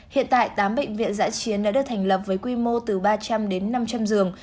hiện tại tám bệnh viện giã chiến đã được thành lập với quy mô từ ba trăm linh đến năm trăm linh giường